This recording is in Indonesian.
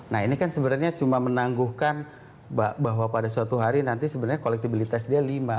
nah ini kan sebenarnya cuma menangguhkan bahwa pada suatu hari nanti sebenarnya kolektibilitas dia lima